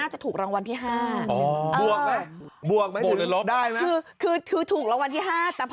อ้าวลบนี่ว่ะ